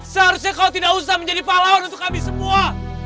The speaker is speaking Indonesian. seharusnya kau tidak usah menjadi pahlawan untuk kami semua